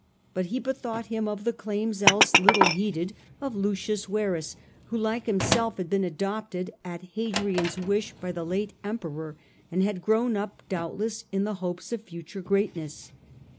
But he bethought him of the claims, else little heeded, of Lucius Verus, who like himself, had been adopted, at Hadrian^s wish, by the late Emperor, and had grown up doubtless in the hopes of future greatness.